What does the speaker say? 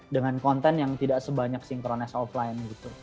dengan konten yang tidak sebanyak synchronize offline gitu